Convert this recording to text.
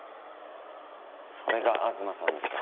それが吾妻さんですか。